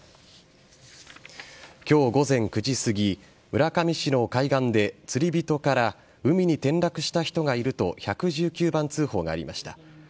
今日午前９時すぎ村上市の海岸で釣り人から海に転落した人がいると１１９番通報がありました。